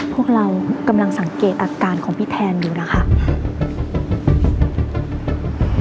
พวกเรากำลังสังเกตอาการของพี่แทนอยู่นะคะ